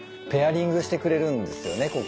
ペアリングしてくれるんですよね